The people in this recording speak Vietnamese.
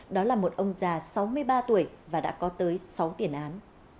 đó là một ông già sáu mươi ba tuổi và đã có tới sáu tiền án